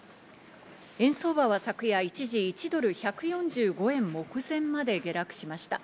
円相場は昨夜一時、１ドル＝１４５円目前まで下落しました。